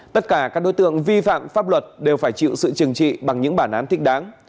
tất cả các đối tượng vi phạm pháp luật đều phải chịu sự trừng trị bằng những bản án thích đáng